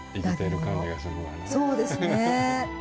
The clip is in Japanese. そうですね。